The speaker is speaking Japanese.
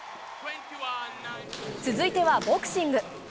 続いてはボクシング。